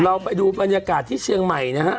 เราไปดูบรรยากาศที่เชียงใหม่นะฮะ